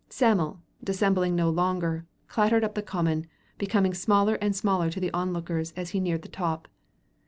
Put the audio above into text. Sam'l, dissembling no longer, clattered up the common, becoming smaller and smaller to the onlookers as he neared the top.